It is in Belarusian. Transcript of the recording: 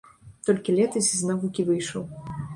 Толькі летась з навукі выйшаў.